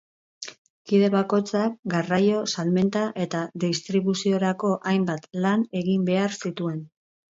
Kide bakoitzak garraio, salmenta eta distribuziorako hainbat lan egin behar zituen.